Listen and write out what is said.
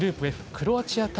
クロアチア対